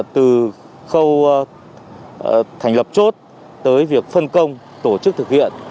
từ khâu thành lập chốt tới việc phân công tổ chức thực hiện